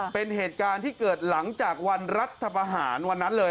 เป็นเหตุการณ์ที่เกิดหลังจากวันรัฐประหารวันนั้นเลย